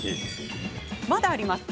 まだあります。